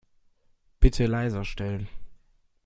Bitte leiser stellen.